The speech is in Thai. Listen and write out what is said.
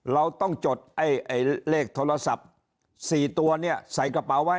เราต้องจดเลขโทรศัพท์๔ตัวเนี่ยใส่กระเป๋าไว้